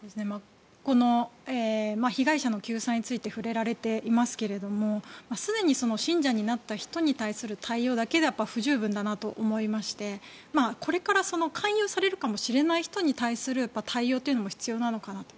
この被害者の救済について触れられていますがすでに信者になった人に対する対応だけでは不十分だなと思いましてこれから勧誘されるかもしれない人に対する対応も必要なのかなと。